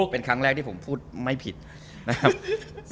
เป็นครั้งแรกที่ผมพูดไม่ผิดนะครับ